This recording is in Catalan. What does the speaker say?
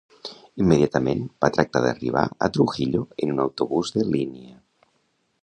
Immediatament va tractar d'arribar a Trujillo en un autobús de línia.